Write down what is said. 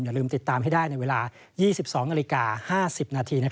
อย่าลืมติดตามให้ได้ในเวลา๒๒นาฬิกา๕๐นาที